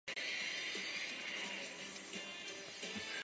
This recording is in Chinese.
卡门是位于美国亚利桑那州圣克鲁斯县的一个人口普查指定地区。